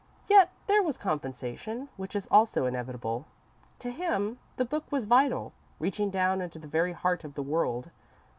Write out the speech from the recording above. Yet there was compensation, which is also inevitable. To him, the book was vital, reaching down into the very heart of the world.